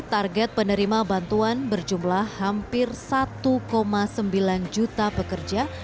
target penerima bantuan berjumlah hampir satu sembilan juta pekerja